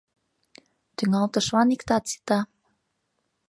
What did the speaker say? Тӱҥалтышлан иктат сита.